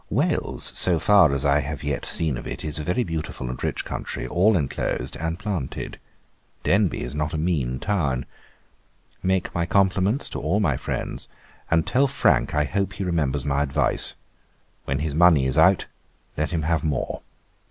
'Wales, so far as I have yet seen of it, is a very beautiful and rich country, all enclosed, and planted. Denbigh is not a mean town. Make my compliments to all my friends, and tell Frank I hope he remembers my advice. When his money is out, let him have more.